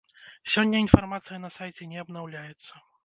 Сёння інфармацыя на сайце не абнаўляецца.